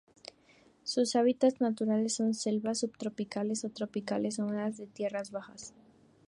Sus hábitats naturales son selvas subtropicales o tropicales húmedas, de tierras bajas.